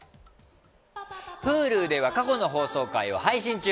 Ｈｕｌｕでは過去の放送回を配信中。